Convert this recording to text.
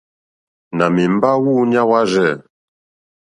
Nà mèmbá wúǔɲá wârzɛ̂.